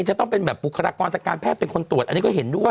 จะต้องเป็นแบบบุคลากรจากการแพทย์เป็นคนตรวจอันนี้ก็เห็นด้วย